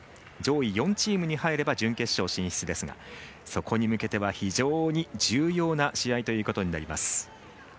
上位４チームに入れば準決勝進出ですがそこに向けては、非常に重要な試合ということになります。